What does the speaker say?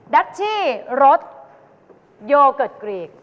ดัชชี่รถโยเกิร์ตกกรีก